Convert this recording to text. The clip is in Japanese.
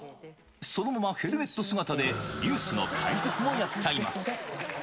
そのままヘルメット姿でニュースの解説もやっちゃいます。